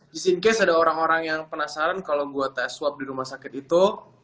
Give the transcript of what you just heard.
just in case ada orang orang yang penasaran kalo gua test swab di rumah sakit itu